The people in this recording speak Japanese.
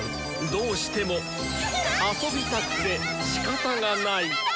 どうしても遊びたくてしかたがない！